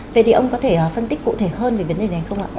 vậy thì ông có thể phân tích cụ thể hơn về vấn đề này không ạ